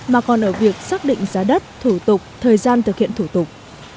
mà còn ở việc xác định giá đất thủ tục thời gian thực hiện thủ tục